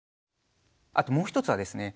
あともう一つはですね